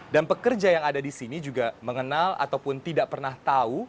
dan pekerja yang ada di sini juga mengenal ataupun tidak pernah tahu